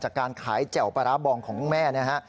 จากการขายแจ่วปลาร้าบองของคุณแม่